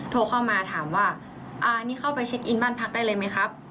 โทรเข้ามาถามว่านี่เข้าไปเช็คอินบ้านพักได้เลยไหมครับ